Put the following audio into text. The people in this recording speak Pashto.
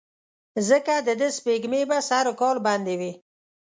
ځکه دده سپېږمې به سر وکال بندې وې.